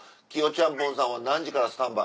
ちゃんぽんさんは何時からスタンバイ？